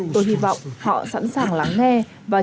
tôi hy vọng họ sẵn sàng lắng nghe và chúng tôi sẽ chuyển sang